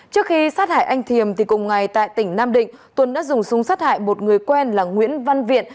trước khi sát hại anh thiềm cùng ngày tại tỉnh nam định tuấn đã dùng súng sát hại một người quen là nguyễn văn viện